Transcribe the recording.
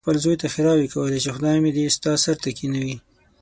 احمد خپل زوی ته ښېراوې کولې، چې خدای مې دې ستا سر ته کېنوي.